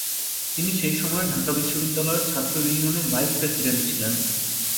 তিনি সেই সময়ে ঢাকা বিশ্ববিদ্যালয়ের ছাত্র ইউনিয়নের ভাইস প্রেসিডেন্ট ছিলেন।